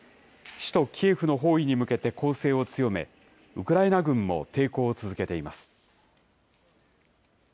首都キエフの包囲に向けて攻勢を強め、ウクライナ軍も抵抗を続けています。